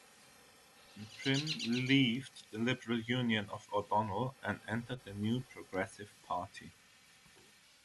Prim leaved the Liberal Union of O'Donnell and entered the new Progressive Party.